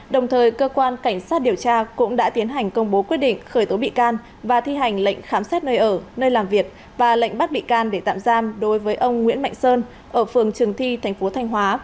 đồng thời cơ quan cảnh sát điều tra cũng đã tiến hành công bố quyết định khởi tố bị can và thi hành lệnh khám xét nơi ở nơi làm việc và lệnh bắt bị can để tạm giam đối với ông nguyễn mạnh sơn ở phường trường thi thành phố thanh hóa